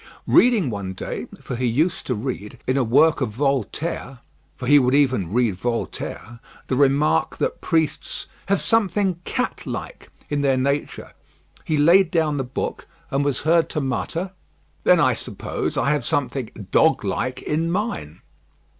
Reading one day for he used to read in a work of Voltaire for he would even read Voltaire the remark, that priests "have something cat like in their nature," he laid down the book and was heard to mutter, "Then, I suppose, I have something dog like in mine."